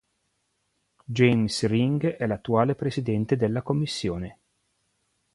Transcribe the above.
James Ring è l'attuale Presidente della Commissione.